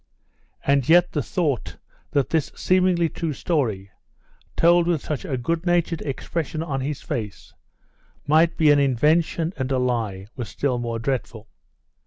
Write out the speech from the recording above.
And yet the thought that this seemingly true story, told with such a good natured expression on the face, might be an invention and a lie was still more dreadful.